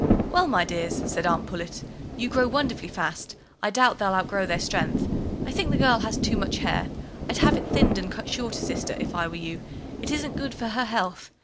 "Well, my dears," said Aunt Pullet, "you grow wonderfully fast, I doubt they'll outgrow their strength. I think the girl has too much hair. I'd have it thinned and cut shorter, sister, if I were you; it isn't good for her health.